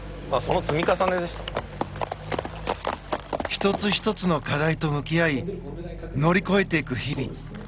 １つ１つの課題と向き合い乗り越えていく日々。